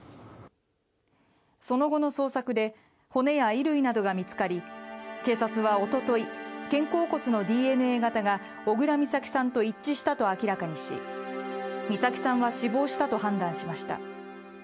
その後の捜索で骨や衣類などが見つかり警察はおととい、肩甲骨のＤＮＡ型が小倉美咲さんと一致したと明らかにし美咲さんは死亡したと判断しました。